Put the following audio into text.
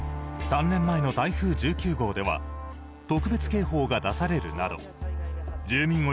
３年前の台風１９号では特別警報が出されるなど住民